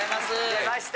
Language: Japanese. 出ました！